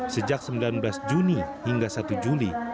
sejak sembilan belas juni hingga satu juli